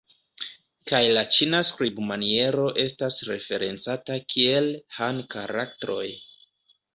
Kaj la Ĉina skribmaniero estas referencata kiel "Han karaktroj".